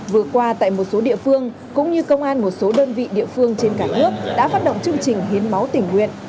vừa qua tại một số địa phương cũng như công an một số đơn vị địa phương trên cả nước đã phát động chương trình hiến máu tình nguyện